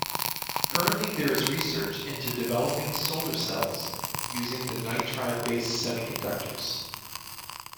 Currently there is research into developing solar cells using the nitride based semiconductors.